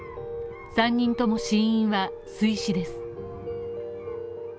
３人とも死因は水死です。